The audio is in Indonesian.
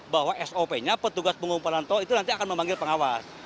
bahwa sop nya petugas pengumpulan tol itu nanti akan memanggil pengawas